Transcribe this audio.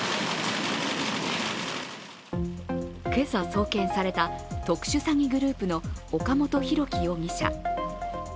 今朝、送検された特殊詐欺グループの岡本大樹容疑者。